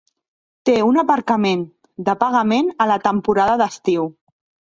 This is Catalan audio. Té un aparcament, de pagament a la temporada d'estiu.